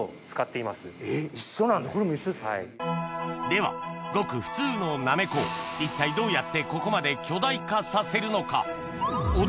ではごく普通のなめこを一体どうやってここまで巨大化させるのか？